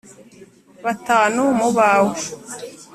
Batanu mu bawe